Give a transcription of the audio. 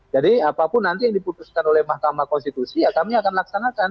jadi apapun nanti yang diputuskan oleh mahkamah konstitusi kami akan melaksanakan